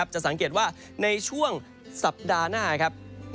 จะสังเกตว่าในช่วงสัปดาห์หน้าครับ